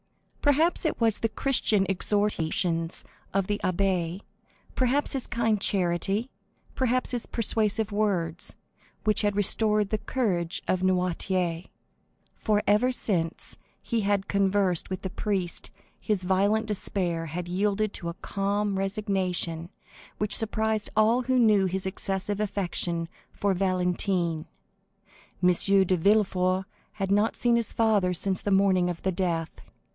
Perhaps it was the Christian exhortations of the abbé, perhaps his kind charity, perhaps his persuasive words, which had restored the courage of Noirtier, for ever since he had conversed with the priest his violent despair had yielded to a calm resignation which surprised all who knew his excessive affection for Valentine. M. de Villefort had not seen his father since the morning of the death.